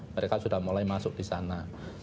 mereka sudah mulai masuk di sana